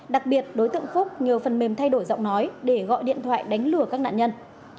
đặc biệt đối tượng phúc nhờ phần mềm thay đổi giọng nói để gọi điện thoại đánh lừa các nạn nhân